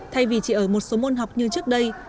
thay vì chỉ ở một số môn học như trước đây